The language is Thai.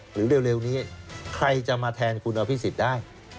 หรือเร็วนี้ใครจะมาแทนคุณอภิษฎได้